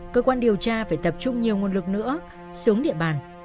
cơ quan điều tra phải tập trung nhiều nguồn lực nữa xuống địa bàn